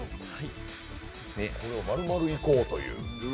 これを丸々いこうという。